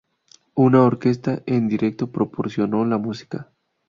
Una orquesta en directo proporcionó la música.